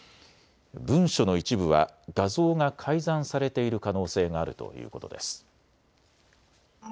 文書の一部は画像が改ざんされている可能性があるということです。